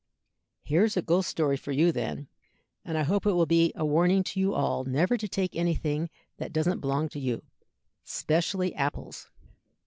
Here's a ghost story for you, then, and I hope it will be a warning to you all never to take anything that doesn't belong to you, 'specially apples.